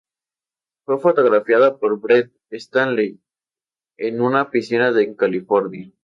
Fue fotografiada por Brett Stanley en una piscina en California.